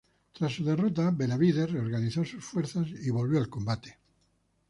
Tras su derrota, Benavides reorganizó sus fuerzas y volvió al combate.